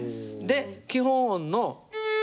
で基本音の。